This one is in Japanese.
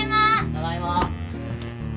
ただいま。